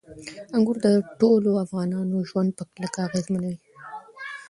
انګور د ټولو افغانانو ژوند په کلکه اغېزمنوي.